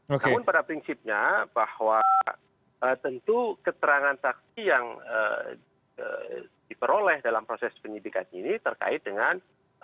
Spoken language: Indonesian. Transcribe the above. namun pada prinsipnya bahwa tentu keterangan saksi yang diperoleh dalam proses penyidikan ini terkait dengan